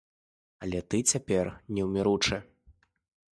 Але ты цяпер неўміручы.